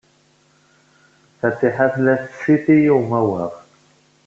Fatiḥa tella tettsiti i umawaɣ.